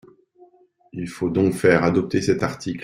Il faut donc faire adopter cet article.